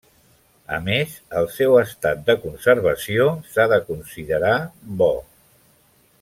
A més, el seu estat de conservació s'ha de considerar bo.